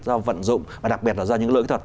do vận dụng và đặc biệt là do những lỗi kỹ thuật